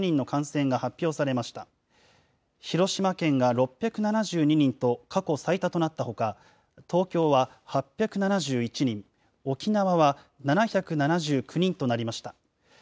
広島県が６７２人と、過去最多となったほか、東京は８７１人、沖縄は７７９人となりました。